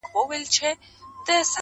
o د ډېري لرگى، د يوه انډى.